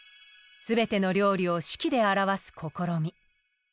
すべての料理を式で表す試み。